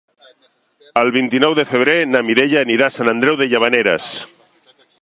El vint-i-nou de febrer na Mireia anirà a Sant Andreu de Llavaneres.